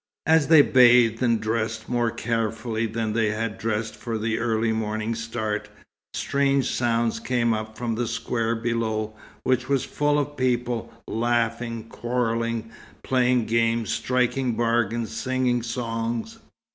As they bathed and dressed more carefully than they had dressed for the early morning start, strange sounds came up from the square below, which was full of people, laughing, quarrelling, playing games, striking bargains, singing songs.